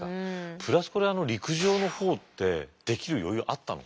プラスこれは陸上の方ってできる余裕あったの？